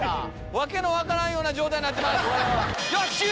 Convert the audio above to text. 訳の分からんような状態になってます。